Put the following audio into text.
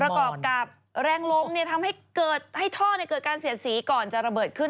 ระเกาะกับแรงลงทำให้ท่อเกิดการเสียดสีก่อนจะระเบิดขึ้น